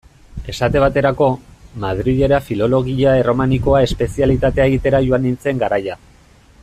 Esate baterako, Madrilera Filologia Erromanikoa espezialitatea egitera joan nintzen garaia.